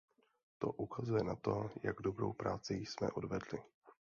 To ukazuje na to, jak dobrou práci jsme odvedli.